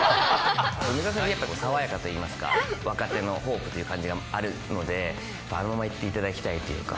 梅澤さんはやっぱ爽やかといいますか、若手のホープという感じがあるので、あのままいっていただきたいというか。